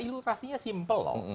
ilustrasinya simpel lho